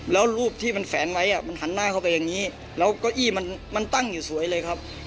แล้วรูปที่มันแฝนไว้มันหันหน้าเข้าไปอย่างนี้แล้วเก้าอี้มันตั้งอยู่สวยเลยครับ